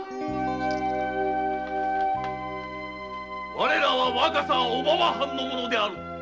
我らは若狭小浜藩の者である。